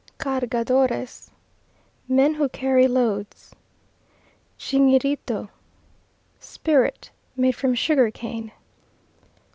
Cargadores Men who carry loads. Chinguirito Spirit made from sugar cane.